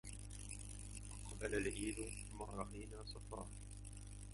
أقبل العيد ما رأينا صفاه